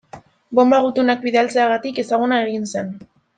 Bonba gutunak bidaltzeagatik ezaguna egin zen.